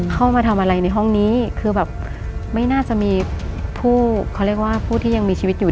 เข้ามาทำอะไรในห้องนี้คือแบบไม่น่าจะมีผู้เขาเรียกว่าผู้ที่ยังมีชีวิตอยู่